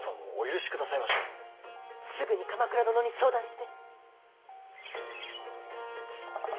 すぐに鎌倉殿に相談して。